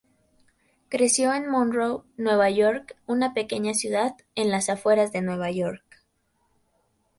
Creció en Monroe, Nueva York, una pequeña ciudad, en las afueras de Nueva York.